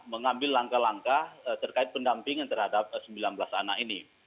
mengambil langkah langkah terkait pendampingan terhadap sembilan belas anak ini